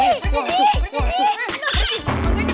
ayo pergi pergi